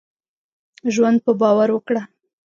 ژوند په باور وکړهٔ.